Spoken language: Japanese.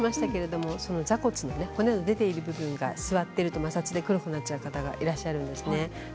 座骨の骨の出ている部分が座っていると摩擦で黒くなってしまう方がいらっしゃるんですね。